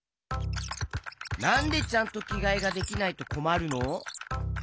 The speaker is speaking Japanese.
なんでちゃんときがえができないとこまるの？